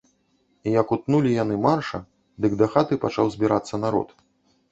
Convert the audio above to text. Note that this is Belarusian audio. І як утнулі яны марша, дык да хаты пачаў збірацца народ.